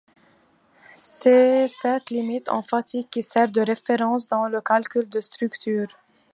C'est cette limite en fatigue qui sert de référence dans le calcul des structures.